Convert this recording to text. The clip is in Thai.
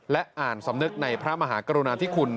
และอ่านสำนึกในพระมหากรุณาธิคุณ